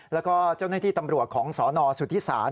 แล้วก็เจ้าหน้าที่ตำรวจของสนสุธิศาสต